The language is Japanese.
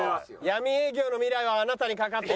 闇営業の未来はあなたに懸かっている。